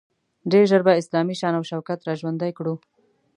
ډیر ژر به اسلامي شان او شوکت را ژوندی کړو.